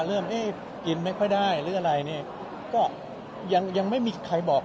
เอ๊ะกินไม่ค่อยได้หรืออะไรเนี่ยก็ยังยังไม่มีใครบอก